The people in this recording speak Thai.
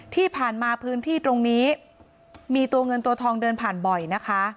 ที่ผ่านมาพื้นที่ตรงนี้มีตัวเงินตัวทองเดินผ่านบ่อยนะคะ